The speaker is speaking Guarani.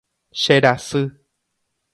Cherasy.